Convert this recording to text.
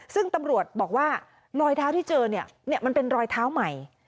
ซึ่งตำรวจบอกว่ารอยเท้าที่เจอเนี่ยมันเป็นรอยเท้าใหม่